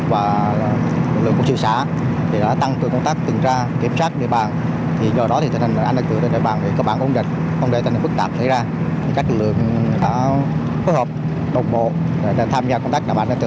và lực lượng công sĩ xã